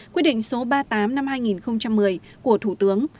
quyết định số ba mươi tám năm hai nghìn một mươi của thủ tướng